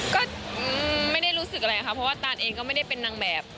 ก็ไม่ได้รู้สึกอะไรค่ะเพราะว่าตานเองก็ไม่ได้เป็นนางแบบ